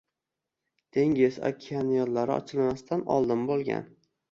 Dengiz, okean yoʻllari ochilmasdan oldin bo’lgan.